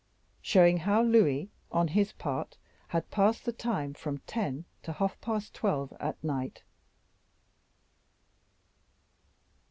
Showing How Louis, on His Part, Had Passed the Time from Ten to Half Past Twelve at Night.